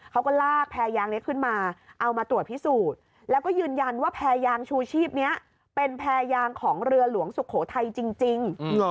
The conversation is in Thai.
เขาก็ลากแพรยางนี้ขึ้นมาเอามาตรวจพิสูจน์แล้วก็ยืนยันว่าแพรยางชูชีพนี้เป็นแพรยางของเรือหลวงสุโขทัยจริง